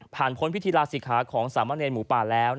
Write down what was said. ผ่านพ้นพิธีราชสิทธิ์ของสามเมืองเนยนหมูปลาแล้วนะฮะ